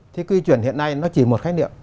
thế quy chuẩn hiện nay nó chỉ một khái niệm